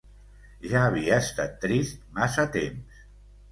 Ja havia estat trist massa temps.